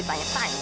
kita harus paham